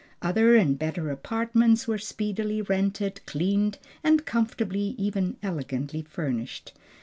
Other and better apartments were speedily rented, cleaned, and comfortably, even elegantly furnished.